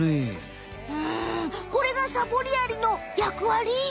ふんこれがサボりアリの役割？